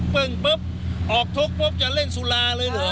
ปึงปุปพาร์กทุกจะเล่นสุราเลยเหรอ